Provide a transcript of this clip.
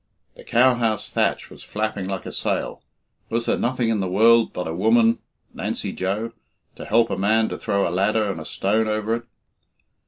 The cow house thatch was flapping like a sail was there nothing in the world but a woman (Nancy Joe) to help a man to throw a ladder and a stone over it?